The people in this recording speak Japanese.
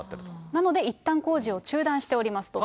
なので、いったん工事を中断しておりますと。